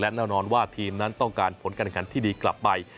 แน่นอนว่าทีมนั้นต้องการผลการแข่งขันที่ดีกลับไป